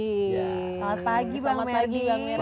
selamat pagi bang merdi